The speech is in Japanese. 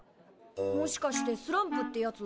もしかしてスランプってやつ？